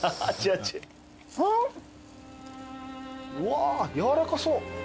うわやわらかそう。